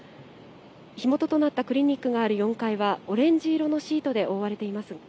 火元となったクリニックがある４階はオレンジ色のシートで覆われています。